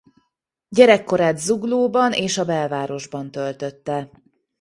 Gyerekkorát Zuglóban és a belvárosban töltötte.